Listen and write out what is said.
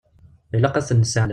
Ilaq ad ten-nesseɛlem.